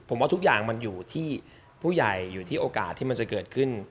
ผมว่าทุกอย่างมันอยู่ที่ผู้ใหญ่อยู่ที่โอกาสที่มันจะเกิดขึ้น